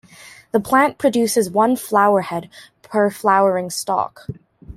The plant produces one flower head per flowering stalk.